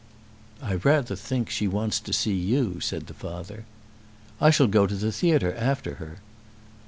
"I rather think she wants to see you," said the father. "I shall go to the theatre after her."